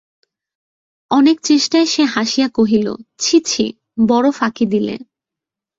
অনেক চেষ্টায় সে হাসিয়া কহিল, ছি ছি, বড়ো ফাঁকি দিলে।